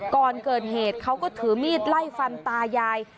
ก่อนเกิดเหตุเขาก็ถือมีดไล่ฟันตายาย